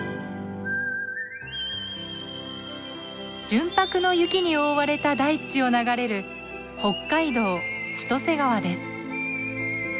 純白の雪に覆われた大地を流れる北海道千歳川です。